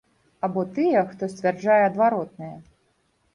Або тыя, хто сцвярджае адваротнае.